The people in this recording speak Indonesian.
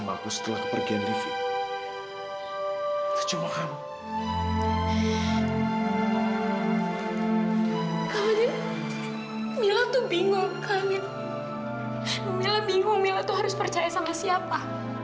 mila bingung mila tuh harus percaya sama siapa